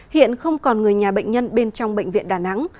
hiện không còn người nhà bệnh nhân bên trong bệnh viện đà nẵng